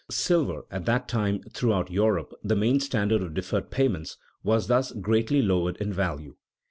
Silver, at that time throughout Europe the main standard of deferred payments, was thus greatly lowered in value.